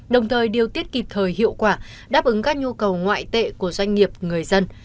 đồng thời điều tiết kịp thời hiệu quả đáp ứng các nhu cầu ngoại tệ của doanh nghiệp người dân